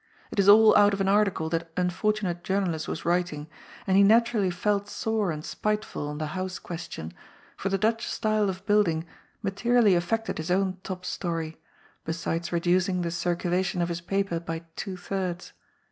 It is all out of an article that unfortunate journalist was writing, and he naturally felt sore and spite ful on the house question, for the Dutch style of building materially affected his own top story, besides reducing the circulation of his paper by two thirds.